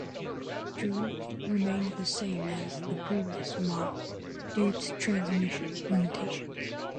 Torque remains the same, as the previous model, due to transmission limitations.